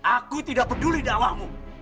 aku tidak peduli dawahmu